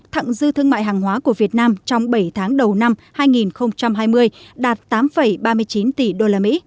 thẳng dư thương mại hàng hóa của việt nam trong bảy tháng đầu năm hai nghìn hai mươi đạt tám ba mươi chín tỷ usd